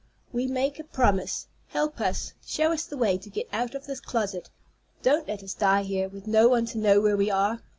We make a promise. Help us. Show us the way to get out of this closet. Don't let us die here, with no one to know where we are.